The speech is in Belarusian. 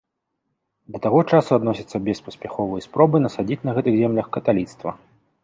Да таго часу адносяцца беспаспяховыя спробы насадзіць на гэтых землях каталіцтва.